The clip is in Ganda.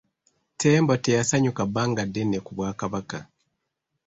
Ttembo teyasanyuka bbanga ddene ku bwakabaka.